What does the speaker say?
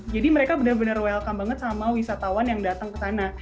jadi mereka benar benar welcome banget sama wisatawan yang datang kesana